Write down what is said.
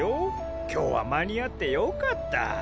今日は間に合ってよかった。